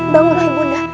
bangunlah ibu undah